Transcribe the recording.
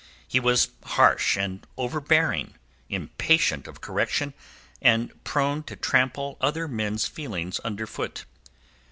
He was harsh and overbearing, impatient of correction and prone to trample other men's feelings underfoot.